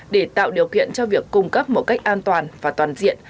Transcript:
để tạo điều kiện cho việc cung cấp một cách an toàn và toàn diện